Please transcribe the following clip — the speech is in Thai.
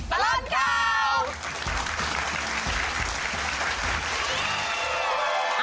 ตาลเก้า